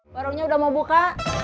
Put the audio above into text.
warungnya udah mau buka